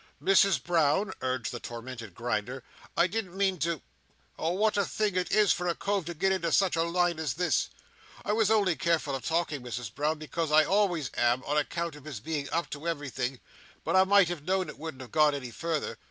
"Misses Brown," urged the tormented Grinder, "I didn't mean to—Oh, what a thing it is for a cove to get into such a line as this!—I was only careful of talking, Misses Brown, because I always am, on account of his being up to everything; but I might have known it wouldn't have gone any further.